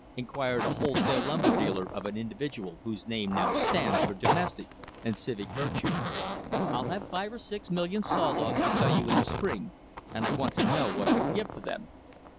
inquired a wholesale lumber dealer of an individual whose name now stands for domestic and civic virtue. "I'll have five or six million saw logs to sell you in the spring, and I want to know what you'll give for them."